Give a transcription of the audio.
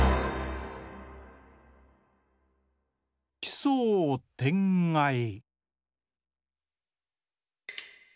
「きそうてんがい」。